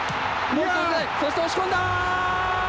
そして押し込んだ！